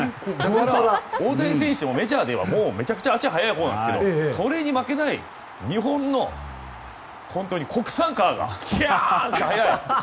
大谷選手もメジャーではめちゃくちゃ足が速いほうですがそれに負けない日本の国産カーがきゃーっと速い。